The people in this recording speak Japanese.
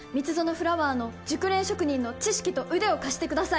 フラワーの熟練職人の知識と腕を貸してください